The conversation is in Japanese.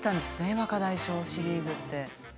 「若大将シリーズ」って。